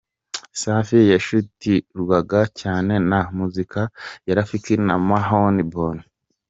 Safi yashiturwaga cyane na muzika ya Rafiki na Mahoni boni.